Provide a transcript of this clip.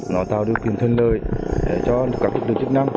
nó tạo được quyền thân lời cho các trực lực chức năng